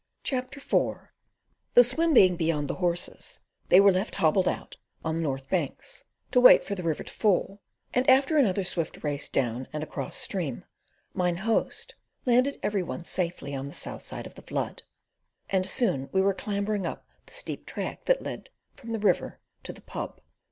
CHAPTER IV The swim being beyond the horses, they were left hobbled out on the north banks, to wait for the river to fall, and after another swift race down and across stream, Mine Host landed every one safely on the south side of the flood, and soon we were clambering up the steep track that led from the river to the "Pub."